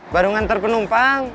baru ngantar penumpang